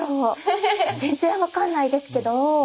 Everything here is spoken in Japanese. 全然分かんないですけど。